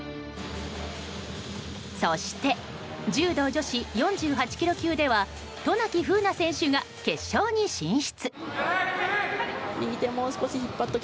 そして柔道女子４８ｋｇ級では渡名喜風南選手が決勝に進出。